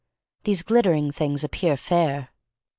These glittering things appear fair.